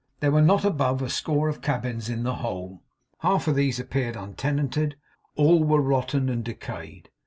There were not above a score of cabins in the whole; half of these appeared untenanted; all were rotten and decayed.